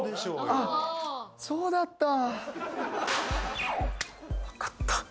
あっそうだった。